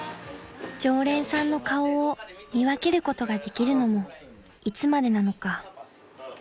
［常連さんの顔を見分けることができるのもいつまでなのか］